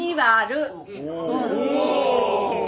お！